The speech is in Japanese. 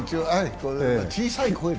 小さい声で。